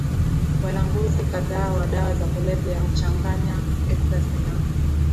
walanguzi kadhaa wa dawa za kulevya huchanganya ecstasy na